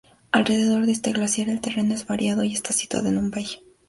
Alrededor de este glaciar el terreno es variado y está situado en un valle.